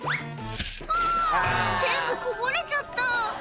「あぁ！全部こぼれちゃった」